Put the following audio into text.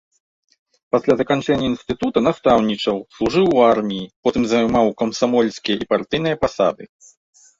Пасля заканчэння інстытута настаўнічаў, служыў у арміі, потым займаў камсамольскія і партыйныя пасады.